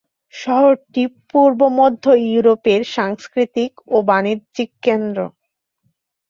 শহরটি পূর্ব মধ্য ইউরোপের সাংস্কৃতিক ও বাণিজ্যিক কেন্দ্র।